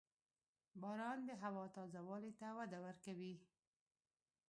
• باران د هوا تازه والي ته وده ورکوي.